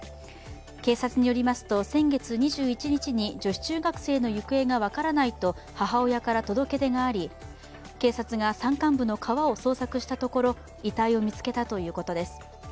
警察によりますと、先月２１日に女子中学生の行方が分からないと母親から届け出があり警察が山間部の川を捜索したところ遺体を見つけたということです。